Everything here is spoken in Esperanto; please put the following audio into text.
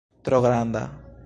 Tro granda